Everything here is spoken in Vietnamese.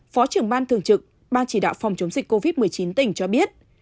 phó trưởng ban thường trực ban chỉ đạo phòng chống dịch covid một mươi chín tỉnh cho biết